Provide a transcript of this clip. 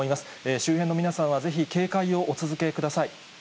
周辺の皆さんはぜひ警戒をお続けください。